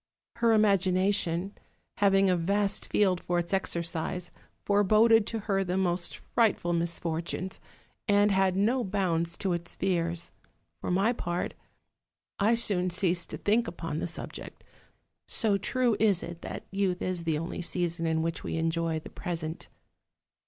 Her imagination, having a vast field for its exercise, foreboded to her the most frightful misfortunes, and had no bounds to its fears: for my part, I soon ceased to think upon the subject, so true is it that youth is the only season in which we enjoy the present.